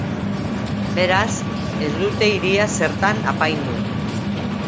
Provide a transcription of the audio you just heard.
Beraz, ez dute hiria zertan apaindu.